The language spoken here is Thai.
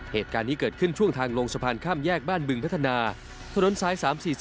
เหตุการณ์นี้เกิดขึ้นช่วงทางลงสะพานข้ามแยกบ้านบึงพัฒนาถนนซ้าย๓๔๔